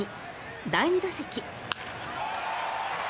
第２打席。